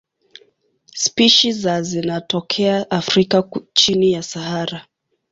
Spishi za zinatokea Afrika chini ya Sahara.